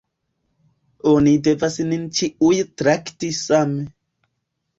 Oni devas nin ĉiujn trakti same.